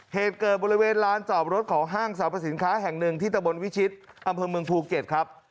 เหตุเกิดบริเวณลานจอบรถของห้างสรรพสินค้าแห่งหนึ่งที่ตะบนวิชิตอำเภอเมืองภูเก็ตครับ